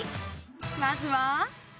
まずは。